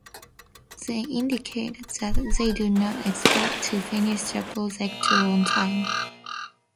They indicate that they do not expect to finish the project on time.